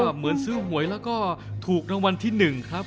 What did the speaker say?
เหมือนซื้อหวยแล้วก็ถูกรางวัลที่๑ครับ